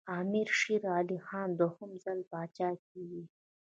امیر شېر علي خان دوهم ځل پاچا کېږي.